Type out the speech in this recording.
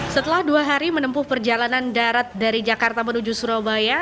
setelah dua hari menempuh perjalanan darat dari jakarta menuju surabaya